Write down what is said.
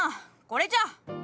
これじゃ。